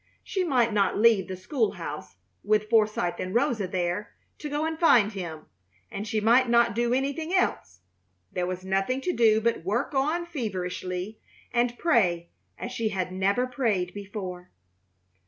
She might not leave the school house, with Forsythe and Rosa there, to go and find him, and she might not do anything else. There was nothing to do but work on feverishly and pray as she had never prayed before.